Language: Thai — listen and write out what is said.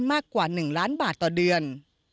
มากกว่า๑ล้านบาทต่อเดือน